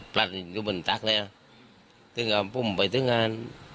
ปลัดอยู่บนตรักเลยพร้อมไปทึกงาน